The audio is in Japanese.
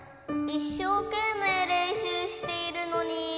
いっしょうけんめいれんしゅうしているのに。